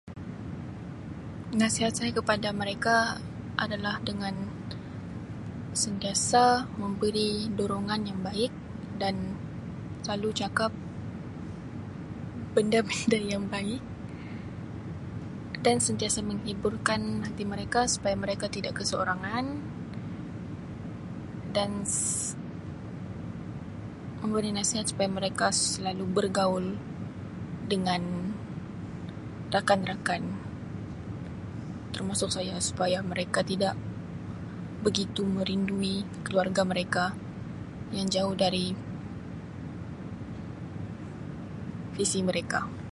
Nasihat saya kepada mereka adalah dengan sentiasa memberi dorangan yang baik dan selalu cakap benda baik dari yang baik dan sentiasa menghiburkan hati mereka supaya mereka tidak keseorangan dan Um memberi nasihat supaya mereka selalu bergaul dengan rakan-rakan termasuk saya supaya mereka tidak begitu merindui keluarga mereka yang jauh dari sisi mereka.